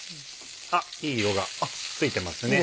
あっいい色がついてますね。